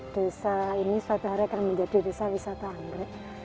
desa ini suatu hari akan menjadi desa wisata anggrek